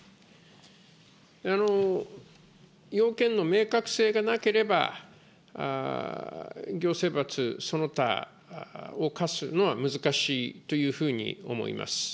要件の明確性がなければ、行政罰、その他を科すのは難しいというふうに思います。